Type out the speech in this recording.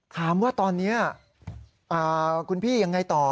ถามว่าตอนนี้คุณพี่ยังไงต่อ